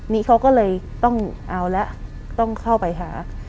นี่เขาก็เลยต้องเอาแล้วต้องเข้าไปหา